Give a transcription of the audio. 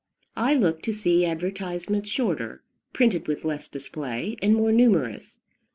I look to see advertisements shorter, printed with less display, and more numerous.